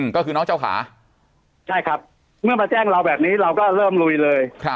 ก็คือน้องเจ้าขาใช่ครับเมื่อมาแจ้งเราแบบนี้เราก็เริ่มลุยเลย